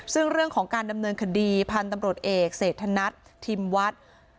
ซึ่งเรื่องของการดำเนินคดีพันธุ์ตำรวจเอกเศรษฐนัททิมวัฒน์